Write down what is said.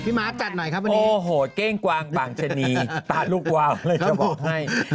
ม้าจัดหน่อยครับวันนี้โอ้โหเก้งกวางบางชะนีตาลูกวาวเลยจะบอกให้